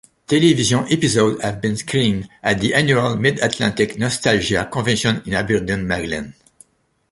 Television episodes have been screened at the annual Mid-Atlantic Nostalgia Convention in Aberdeen, Maryland.